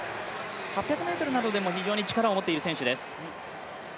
８００ｍなどでも非常に力を持っている選手です。